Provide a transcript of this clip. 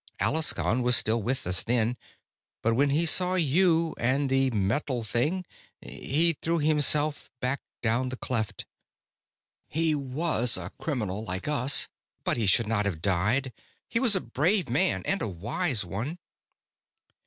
"Alaskon was still with us then, but when he saw you and the metal thing he threw himself back down the cleft. He was a criminal like us, but he should not have died. He was a brave man, and a wise one."